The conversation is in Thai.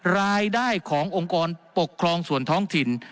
รายได้ขององค์กรปกครองส่วนท้องถิ่น